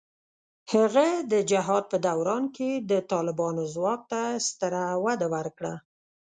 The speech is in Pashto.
هغه د جهاد په دوران کې د طالبانو ځواک ته ستره وده ورکړه.